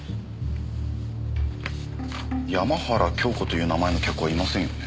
山原京子という名前の客はいませんよね。